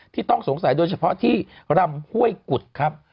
ต้องสงสัยโดยเฉพาะที่รำห้วยกุฎครับ